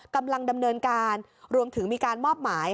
กำลังดำเนินการรวมถึงมีการมอบหมาย